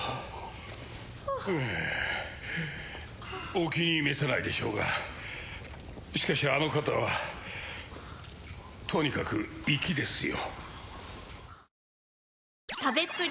お気に召さないでしょうがしかしあの方はとにかく粋ですよ